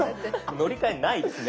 乗り換えないですね。